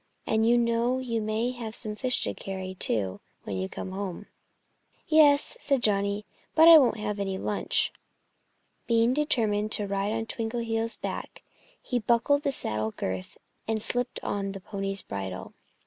And you know you may have some fish to carry, too, when you come home." "Yes!" said Johnnie. "But I won't have any lunch." Being determined to ride on Twinkleheels' back, he buckled the saddle girth and slipped on the pony's bridle.